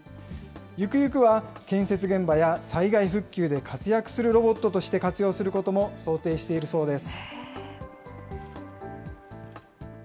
ゆくゆくは建設現場や、災害復旧で活躍するロボットとして活用することも想定しているそうです。